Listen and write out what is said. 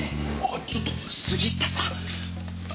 ちょっと杉下さん！